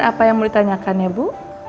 apa yang mau ditanyakan ya bu